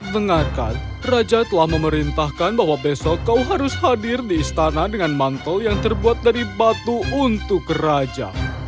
dengarkan raja telah memerintahkan bahwa besok kau harus hadir di istana dengan mantel yang terbuat dari batu untuk raja